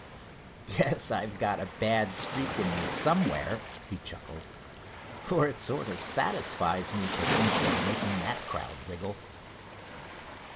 "Guess I've got a bad streak in me somewhere," he chuckled, "for it sort of satisfies me to think we're making that crowd wriggle.